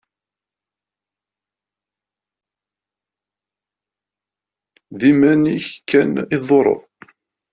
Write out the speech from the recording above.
D iman-ik kan i tḍurreḍ.